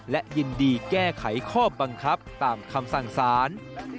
และยินดีแก้ไขข้อบังคับตามคำสั่งสาร